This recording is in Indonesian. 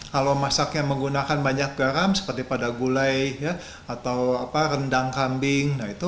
kalau masaknya menggunakan banyak garam seperti pada gulai atau rendang kambing